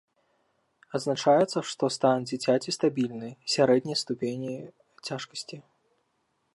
Адзначаецца, што стан дзіцяці стабільны, сярэдняй ступені цяжкасці.